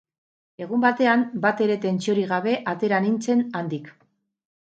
Egun batean bat ere tentsiorik gabe atera nintzen handik.